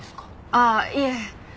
ああいえ。